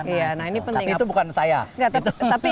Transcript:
tapi itu bukan saya